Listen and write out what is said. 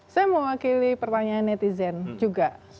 saya mau wakili pertanyaan netizen juga